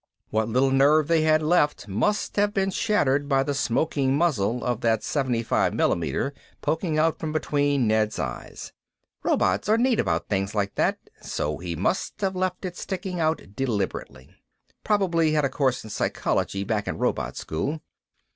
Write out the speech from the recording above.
What little nerve they had left must have been shattered by the smoking muzzle of that .75 poking out from between Ned's eyes. Robots are neat about things like that so he must have left it sticking out deliberate. Probably had a course in psychology back in robot school.